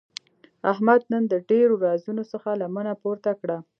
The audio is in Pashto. احمد نن د ډېرو رازونو څخه لمنه پورته کړه.